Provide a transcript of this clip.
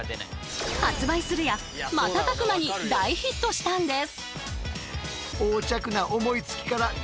発売するや瞬く間に大ヒットしたんです。